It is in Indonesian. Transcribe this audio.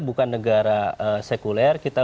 bukan negara sekuler kita